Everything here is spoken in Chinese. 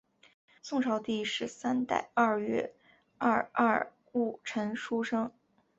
宋朝第十三代二月廿二戊辰出生。